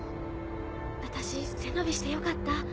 私背伸びしてよかった。